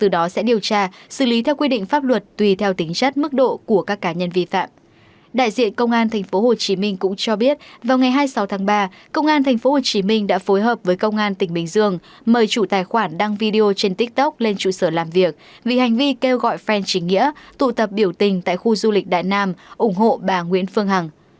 đại diện công an tp hcm cũng cho biết vào ngày hai mươi sáu tháng ba công an tp hcm đã phối hợp với công an tp hcm mời chủ tài khoản đăng video trên tiktok lên trụ sở làm việc vì hành vi kêu gọi fan chính nghĩa tụ tập biểu tình tại khu du lịch đại nam ủng hộ bà nguyễn phương hằng